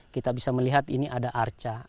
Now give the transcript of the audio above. kita bisa melihat ini ada arca